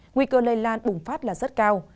nguy cơ lây lan bùng phát là rất cao